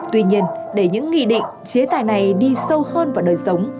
tuy nhiên để những nghị định chế tài này đi sâu hơn vào đời sống